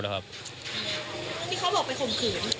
ที่เขาบอกไปข่มขืน